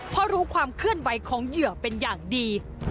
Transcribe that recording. เพราะรู้ความเคลื่อนไหวของเหยื่อเป็นอย่างดี